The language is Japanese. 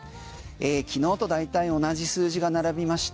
昨日と大体同じ数字が並びました。